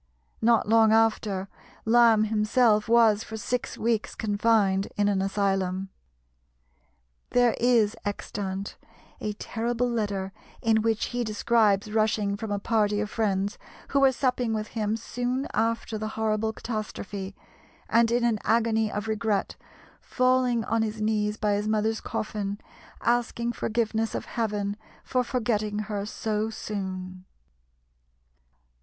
Not long after, Lamb himself was for six weeks confined in an asylum. There is extant a terrible letter in which he describes rushing from a party of friends who were supping with him soon after the horrible catastrophe, and in an agony of regret falling on his knees by his mother's coffin, asking forgiveness of Heaven for forgetting her so soon.